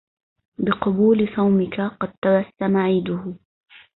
بقبول صومك قد تبسم عيده